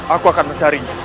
aku akan mencarinya